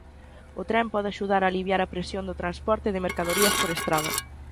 O tren pode axudar a aliviar a presión do transporte de mercadorías por estrada.